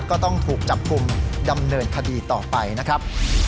ก็ต้องถูกจับกลุ่มดำเนินคดีต่อไปนะครับ